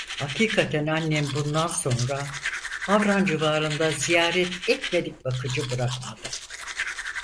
Hakikaten annem bundan sonra Havran civarında ziyaret etmedik bakıcı bırakmadı.